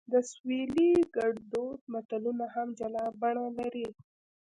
د سویلي ګړدود متلونه هم جلا بڼه لري